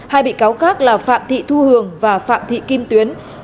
hai bị cáo khác là phạm thị thu hường và phạm thị kim tuyến